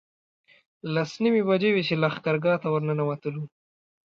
لس نیمې بجې وې چې لښکرګاه ته ورنوتلو.